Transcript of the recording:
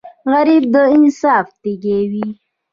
غریب د انصاف تږی وي